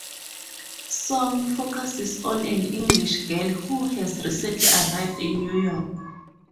"Song" focuses on an English girl who has recently arrived in New York.